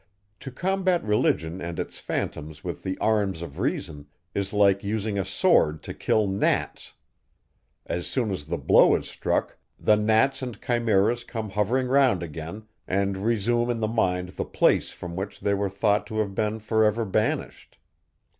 To combat religion and its phantoms with the arms of reason, is like using a sword to kill gnats; as soon as the blow is struck, the gnats and chimeras come hovering round again, and resume in the mind the place, from which they were thought to have been for ever banished.